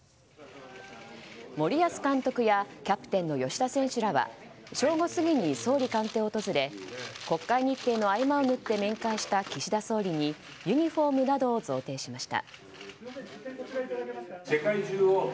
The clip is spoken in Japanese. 森保監督やキャプテンの吉田選手らは正午過ぎに総理官邸を訪れ国会日程の合間を縫って面会した岸田総理にユニホームなどを贈呈しました。